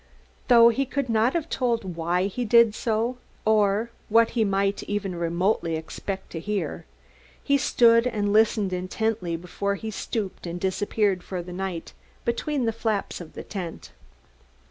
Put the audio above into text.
Though he could not have told why he did so, or what he might, even remotely, expect to hear, he stood and listened intently before he stooped and disappeared for the night between the flaps of the tent.